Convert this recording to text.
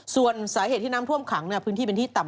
ส่วนสาเหตุที่น้ำท่วมขังพื้นที่เป็นที่ต่ำ